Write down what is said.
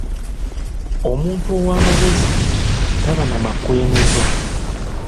Omuntu ow'amagezi taba na makwenezo.